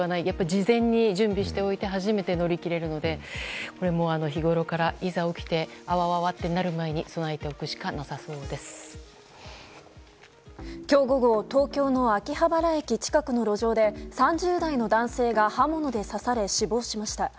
事前に準備しておいて初めて乗り切れるので日ごろからいざ起きてあわわとなる前に今日午後東京の秋葉原駅近くの路上で３０代の男性が刃物で刺され死亡しました。